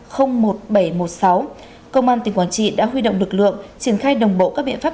công an tỉnh quảng trị đã huy động lực lượng triển khai đồng bộ các biện pháp